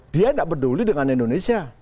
dia tidak peduli dengan indonesia